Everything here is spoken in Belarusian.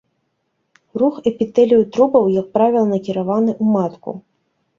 Рух эпітэлію трубаў, як правіла, накіраваны ў матку.